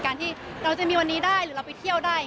การที่เราจะมีวันนี้ได้หรือเราไปเที่ยวได้